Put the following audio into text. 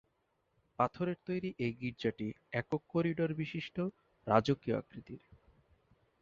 পাথরের তৈরি এই গির্জাটি একক করিডোর বিশিষ্ট রাজকীয় আকৃতির।